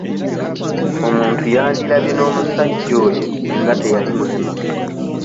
Omuntu yandirabye n'omusajja oyo singa teyali mulema.